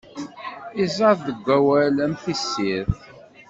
Iẓẓad deg wawal am tessirt.